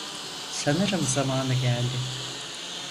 Sanırım zamanı geldi.